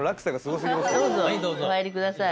どうぞお入りください。